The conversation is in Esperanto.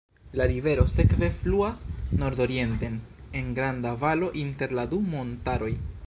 La rivero sekve fluas nordorienten, en granda valo inter la du montaroj.